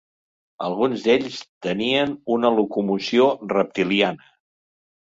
Alguns d'ells tenien una locomoció reptiliana.